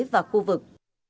và khu vực